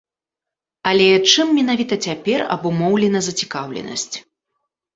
Але чым менавіта цяпер абумоўлена зацікаўленасць?